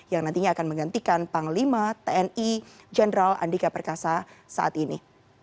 yang nantinya akan menggantikan panglima tni jenderal andika perkasa saat ini